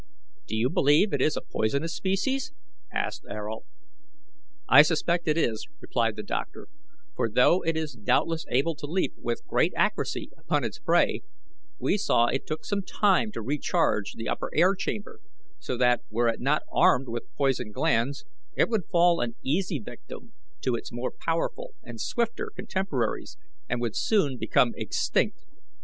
"Do you believe it is a poisonous species?" asked Ayrault. "I suspect it is," replied the doctor; "for, though it is doubtless able to leap with great accuracy upon its prey, we saw it took some time to recharge the upper air chamber, so that, were it not armed with poison glands, it would fall an easy victim to its more powerful and swifter contemporaries, and would soon become extinct."